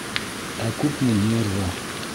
Ә күпме нервы!